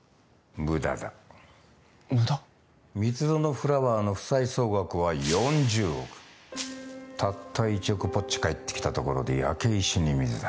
フラワーの負債総額は４０億たった１億ぽっち返ってきたところで焼け石に水だ